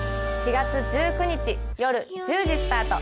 ４月１９日夜１０時スタート